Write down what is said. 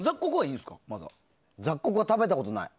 雑穀は食べたことがない。